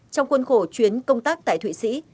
trong khuôn khổ chuyến công tác tại thụy sĩ